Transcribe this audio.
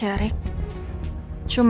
ini ada set macet